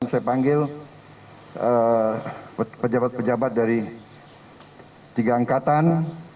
saya panggil pejabat pejabat dari tiga angkatan